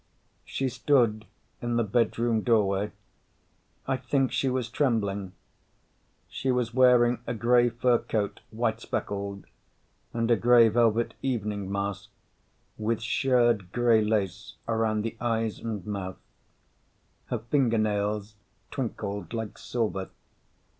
She stood in the bedroom doorway. I think she was trembling. She was wearing a gray fur coat, white speckled, and a gray velvet evening mask with shirred gray lace around the eyes and mouth. Her fingernails twinkled like silver.